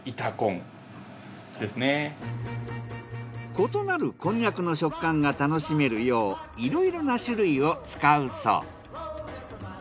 異なるこんにゃくの食感が楽しめるよういろいろな種類を使うそう。